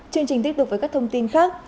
chương trình tiếp tục với các thông tin khác